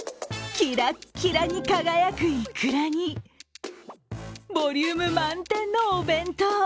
キラッキラに輝くイクラに、ボリューム満点のお弁当！